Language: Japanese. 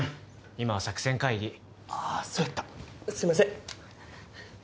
今は作戦会議あそやったすいません